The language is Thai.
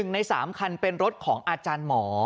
ใน๓คันเป็นรถของอาจารย์หมอ